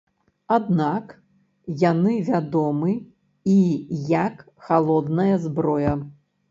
Аднак яны вядомы і як халодная зброя.